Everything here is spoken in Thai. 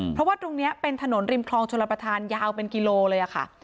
เพราะว่าตรงนี้เป็นถนนริมคลองชลประธานยาวเป็นกิโลเลยค่ะ